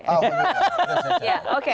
oh ya sudah